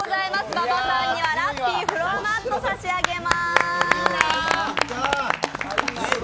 馬場さんにはラッピーフロアマットを差し上げます。